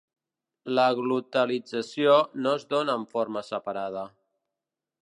La glotalització no es dóna en forma separada.